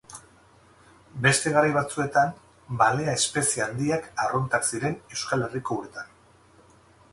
Beste garai batzuetan, balea-espezie handiak arruntak ziren Euskal Herriko uretan.